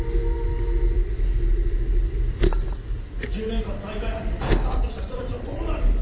１０年間再開発に携わってきた人たちはどうなるんだ！